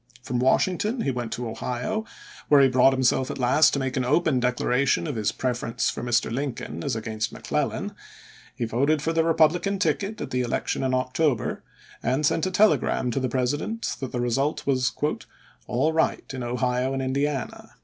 From Washington he went to lse*. Ohio, where he brought himself at last to make an open declaration of his preference for Mr. Lincoln as against McClellan ; he voted for the Republican ticket at the election in October, and sent a tele gram to the President that the result was " all right in Ohio and Indiana."